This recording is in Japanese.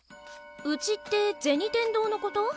うちって銭天堂のこと？